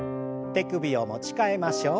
手首を持ち替えましょう。